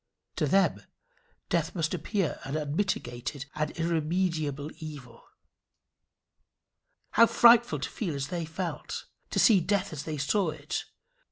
To them death must appear an unmitigated and irremediable evil. How frightful to feel as they felt! to see death as they saw it!